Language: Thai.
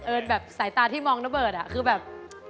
เอิญน่ะแบบใส่ตาที่มองน้อเบิทคือแบบ